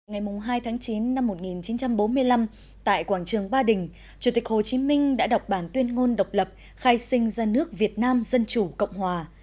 ngày hai tháng chín năm một nghìn chín trăm bốn mươi năm tại quảng trường ba đình chủ tịch hồ chí minh đã đọc bản tuyên ngôn độc lập khai sinh ra nước việt nam dân chủ cộng hòa